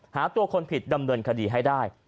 หาตัวคนผิดดำเนินคดีให้ได้